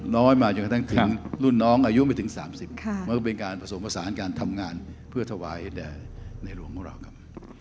น้อยมาจนกระทั่งถึงรุ่นน้องอายุไม่ถึง๓๐มันก็เป็นการผสมผสานการทำงานเพื่อถวายแด่ในหลวงของเราครับ